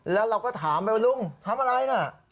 แล้วเราก็ถามไปว่าลุงทำอะไรน่ะ